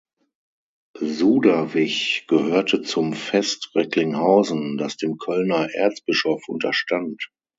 Suderwich gehörte zum Vest Recklinghausen, das dem Kölner Erzbischof unterstand.